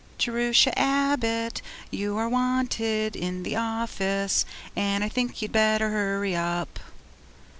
Je ru sha Ab bott You are wan ted In the of fice, And I think you'd Better hurry up!